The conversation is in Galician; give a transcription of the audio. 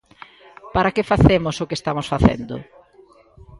¿Para que facemos o que estamos facendo?